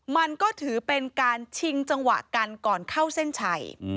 มันก็ถือเป็นการชิงจังหวะกันก่อนเข้าเส้นชัย